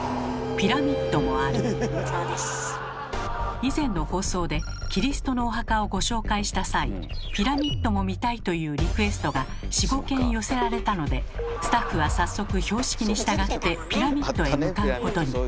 以前の放送でキリストのお墓をご紹介した際「ピラミッドも見たい」というリクエストが４５件寄せられたのでスタッフは早速標識に従ってピラミッドへ向かうことに。